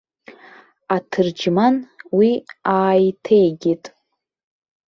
Аҭырџьман уи ааиҭеигеит.